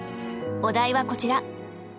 お題はこちら。